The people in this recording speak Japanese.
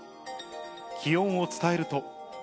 気温を伝えると。